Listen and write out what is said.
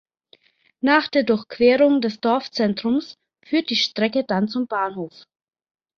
Nach der Durchquerung des Dorfzentrums führt die Strecke dann zum Bahnhof.